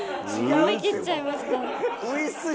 思いきっちゃいました。